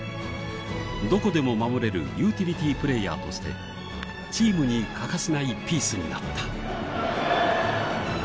どこでも守れるユーティリティープレイヤーとしてチームに欠かせないピースになった